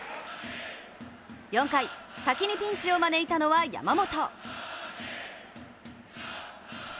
４回、先にピンチを招いたのは山本。